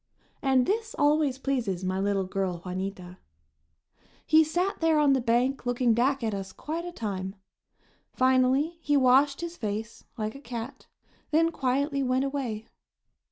And this always pleases my little girl, Juanita. He sat there on the bank looking back at us quite a time. Finally he washed his face, like a cat, then quietly went away.